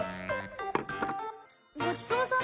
ごちそうさま。